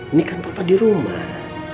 ini kan bapak di rumah